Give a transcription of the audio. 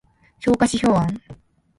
評価指標案